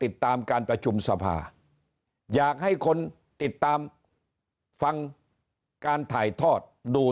ติดตามการประชุมสภาอยากให้คนติดตามฟังการถ่ายทอดดู